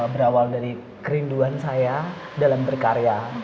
berawal dari kerinduan saya dalam berkarya